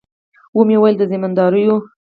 ومې ويل د زمينداورو.